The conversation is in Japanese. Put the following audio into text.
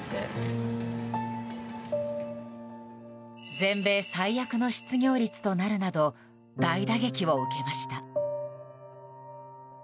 全米最悪の失業率となるなど大打撃を受けました。